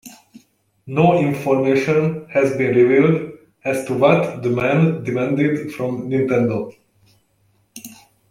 No information has been revealed as to what the man demanded from Nintendo.